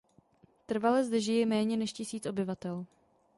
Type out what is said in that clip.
Trvale zde žije méně než tisíc obyvatel.